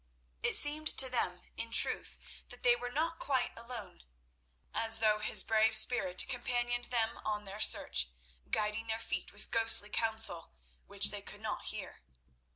It seemed to them, in truth, that they were not quite alone—as though his brave spirit companioned them on their search, guiding their feet, with ghostly counsel which they could not hear.